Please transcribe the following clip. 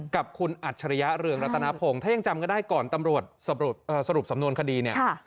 กับคุณอัจฉริยะเรืองรัตนพงศ์ถ้ายังจำก็ได้ก่อนตำรวจสรุปสำนวนคดีเนี่ย